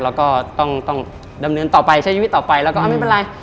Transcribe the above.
แล้วก็ต้องดำเนินต่อไปใช้ชีวิตต่อไปแล้วก็ไม่เป็นไร